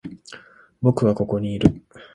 僕はここにいる。